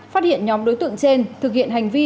phát hiện nhóm đối tượng trên thực hiện hành vi